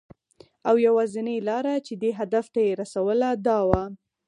او یوازېنۍ لاره چې دې هدف ته یې رسوله، دا وه .